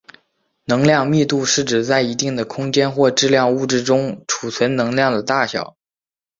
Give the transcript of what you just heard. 能量密度是指在一定的空间或质量物质中储存能量的大小。